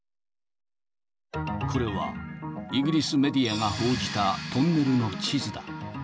これは、イギリスメディアが報じたトンネルの地図だ。